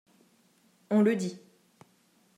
On le dit.